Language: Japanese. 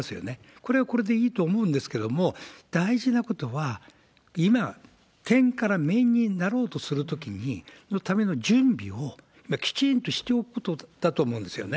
これはこれでいいと思うんですけれども、大事なことは、今、点から面になろうとするときに、そのための準備をきちんとしておくことだと思うんですよね。